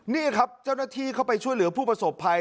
นี่ครับเจ้าหน้าที่เข้าไปช่วยเหลือผู้ประสบภัย